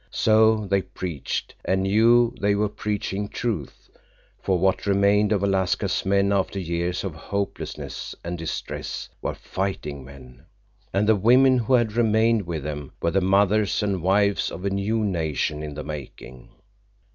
So they preached, and knew they were preaching truth, for what remained of Alaska's men after years of hopelessness and distress were fighting men. And the women who had remained with them were the mothers and wives of a new nation in the making.